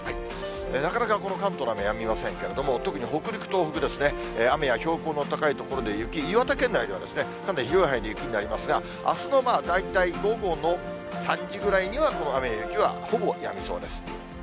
なかなかこの関東の雨、やみませんけれども、特に北陸、東北ですね、雨や標高の高い所で雪、岩手県内ではかなり広い範囲で雪になりますが、あすの大体午後の３時ぐらいには、この雨や雪は、ほぼやみそうです。